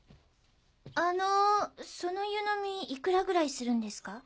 あのその湯のみいくらぐらいするんですか？